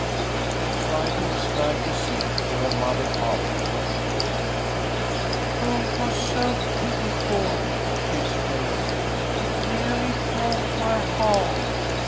She tried to describe the scene to her mother, afterward. "Oh, it was so pitiful!" she exclaimed. "It neahly broke my heart.